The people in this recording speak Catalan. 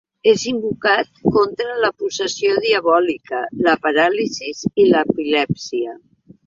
És invocat contra la possessió diabòlica, la paràlisi i l'epilèpsia.